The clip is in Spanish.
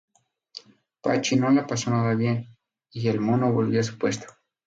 Pachi no la pasó nada bien y el mono volvió a su puesto.